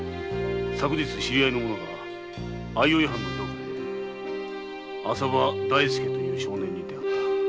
知り合いの者が相生藩で“浅葉大介”という少年に会った。